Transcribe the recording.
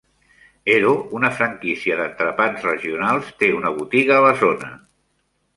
Hero, una franquícia d"entrepans regionals, té una botiga a la zona.